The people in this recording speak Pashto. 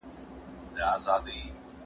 د شیانو پیژندل د انسان د پرمختګ لامل سو.